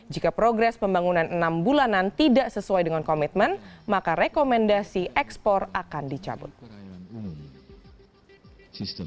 jika progres pembangunan enam bulanan tidak sesuai dengan komitmen maka rekomendasi ekspor akan dicabut sistem